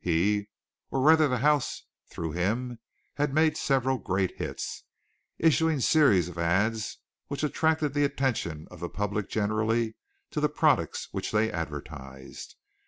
He, or rather the house through him, had made several great hits, issuing series of ads which attracted the attention of the public generally to the products which they advertised.